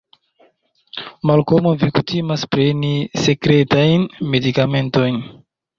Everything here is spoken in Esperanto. Malkomo, vi kutimas preni sekretajn medikamentojn.